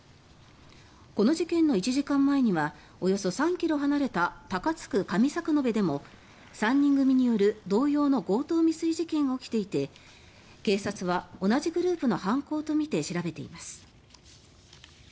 この事件の１時間前にはおよそ３ｋｍ離れた高津区上作延でも３人組による同様の強盗未遂事件が起きていて警察は同じグループの犯行とみて調べています。